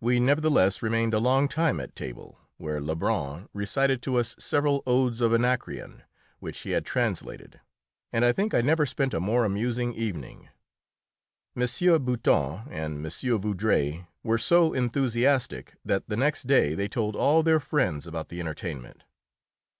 We nevertheless remained a long time at table, where Lebrun recited to us several odes of "Anacreon," which he had translated, and I think I never spent a more amusing evening. M. Boutin and M. de Vaudreuil were so enthusiastic that the next day they told all their friends about the entertainment.